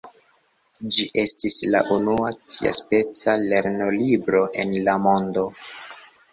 Ĝi estis la unua tiaspeca lernolibro en la mondo.